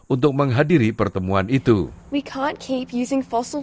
untuk menghadiri pertemuan dengan pemerintah federal dan pemerintah ekonomi australia